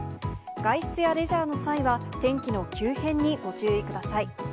外出やレジャーの際は、天気の急変にご注意ください。